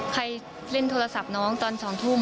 ใครเล่นโทรศัพท์น้องตอน๒ทุ่ม